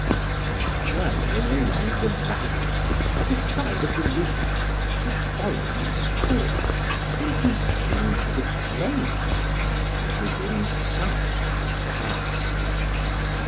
And journeying along the valley, by the side of the river, he followed its course till he came to the plain, and within sight of the Castle.